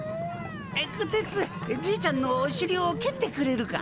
こてつじいちゃんのおしりをけってくれるか？